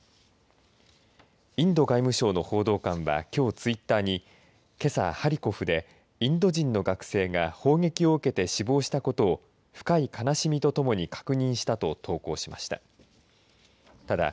インド外務省の報道官はきょう、ツイッターにけさ、ハリコフでインド人の学生が砲撃を受けて死亡したことを深い悲しみとともに確認したと投稿しました。